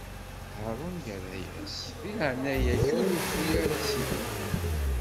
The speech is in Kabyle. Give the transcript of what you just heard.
Haṛun irra-as: Di leɛnaya-k, ur reffu ara, a sidi!